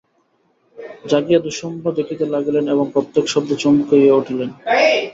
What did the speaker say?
জাগিয়া দুঃস্বপ্ন দেখিতে লাগিলেন এবং প্রত্যেক শব্দে চমকিয়া উঠিলেন।